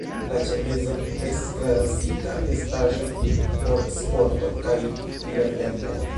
La ĉemizo estas klasika vestaĵo por sporto kaj libertempo.